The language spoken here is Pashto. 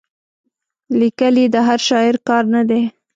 لیکل یې د هر شاعر کار نه دی.